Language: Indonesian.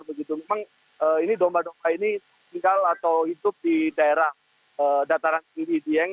memang ini domba domba ini tinggal atau hidup di daerah dataran tinggi dieng